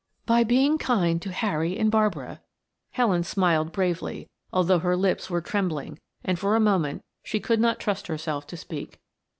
"By being kind to Harry and Barbara." Helen smiled bravely, although her lips were trembling and for a moment she could not trust herself to speak.